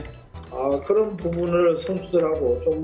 jadi mereka akan sangat tertekan